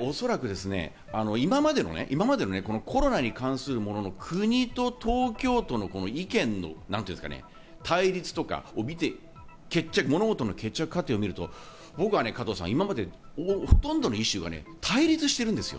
おそらく今までのコロナに関する国と東京都の意見の対立とか、物事の決着過程を見ると、僕はほとんどのイシューは対立しているんです。